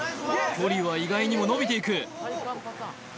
距離は意外にも伸びていく